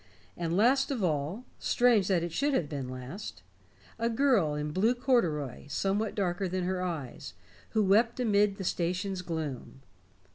And last of all strange that it should have been last a girl in blue corduroy somewhat darker than her eyes, who wept amid the station's gloom.